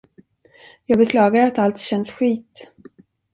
Jag beklagar att allt känns skit.